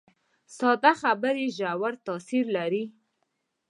ساده خبرې ژور تاثیر لري